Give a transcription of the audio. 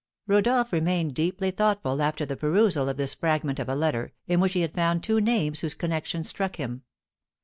Rodolph remained deeply thoughtful after the perusal of this fragment of a letter, in which he had found two names whose connection struck him.